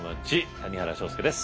谷原章介です。